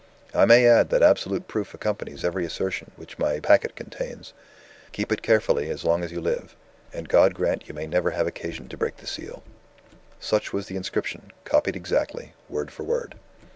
I may add that absolute proof accompanies every assertion which my packet contains. Keep it carefully, as long as you live and God grant you may never have occasion to break the seal.' "Such was the inscription; copied exactly, word for word.